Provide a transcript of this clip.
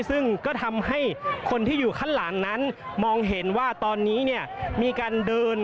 ซึ่งก็ทำให้คนที่อยู่ข้างหลังนั้นมองเห็นว่าตอนนี้เนี่ยมีการเดิน